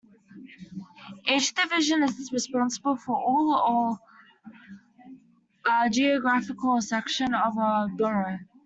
Each Division is responsible for all of or a geographical section of a borough.